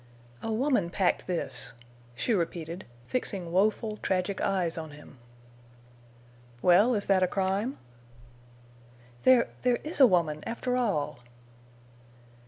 "A woman packed this," she repeated, fixing woeful, tragic eyes on him. "Well, is that a crime?" "There—there is a woman, after all!"